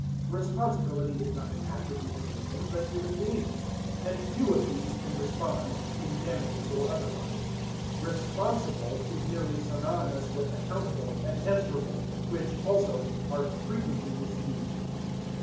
Responsibility is not an attribute of anything but human beings, and few of these can respond, in damages or otherwise. Responsible is nearly synonymous with accountable and answerable, which, also, are frequently misused.